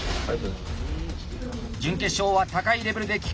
準決勝は高いレベルできっ抗。